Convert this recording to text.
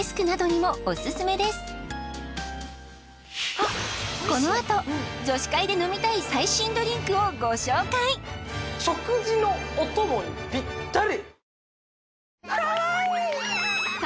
つってこのあと女子会で飲みたい最新ドリンクをご紹介食事のお供にぴったり！